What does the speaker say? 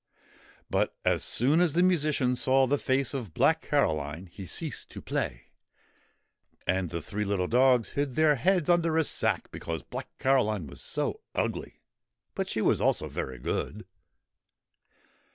But, as soon as the musician saw the face of Black Caroline, he ceased to play, and the three little dogs hid their heads under a sack because Black Caroline was so ugly but she was also very good.